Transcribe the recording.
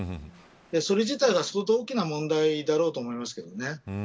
それ自体が相当、大きな問題だろうと思いますけどね。